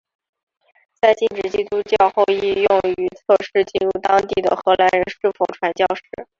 在禁止基督教后亦用于测试进入当地的荷兰人是否传教士。